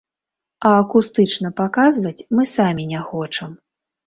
А акустычна паказваць мы самі не хочам.